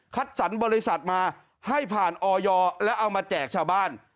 สรรบริษัทมาให้ผ่านออยแล้วเอามาแจกชาวบ้าน